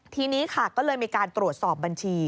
ทีนี้ค่ะก็เลยมีการตรวจสอบบัญชี